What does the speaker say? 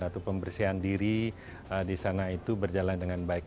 atau pembersihan diri di sana itu berjalan dengan baik